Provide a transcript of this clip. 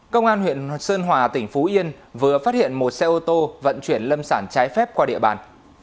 công an huyện sơn hòa tỉnh phú yên vừa phát hiện một xe ô tô vận chuyển lâm sản trái phép qua địa bàn